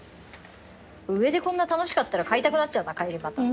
上でこんな楽しかったら買いたくなっちゃうな帰りまた。